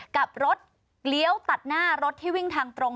กับรถเลี้ยวตัดหน้ารถที่วิ่งทางตรง